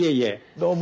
どうも。